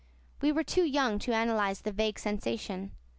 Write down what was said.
We were too young to analyze the vague sensation.